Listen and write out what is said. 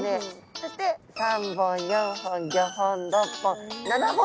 そして３本４本５本６本７本とあります。